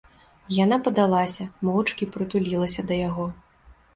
Яна падалася, моўчкі прытулілася да яго.